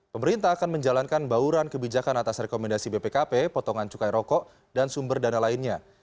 pemerintah akan menjalankan bauran kebijakan atas rekomendasi bpkp potongan cukai rokok dan sumber dana lainnya